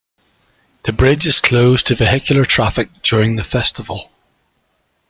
The bridge is closed to vehicular traffic during the festival.